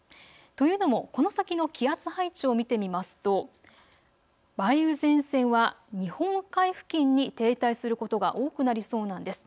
というのもこの先の気圧配置を見てみますと梅雨前線は日本海付近に停滞することが多くなりそうなんです。